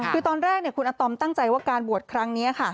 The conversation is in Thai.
คือตอนแรกคุณอาตอมตั้งใจว่าการบวชครั้งนี้ค่ะ